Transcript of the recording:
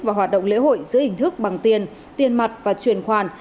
và hoạt động lễ hội giữa hình thức bằng tiền tiền mặt và truyền khoản